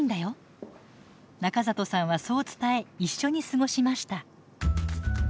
中里さんはそう伝え一緒に過ごしました。